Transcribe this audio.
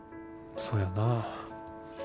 そやなぁ。